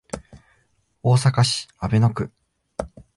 大阪市阿倍野区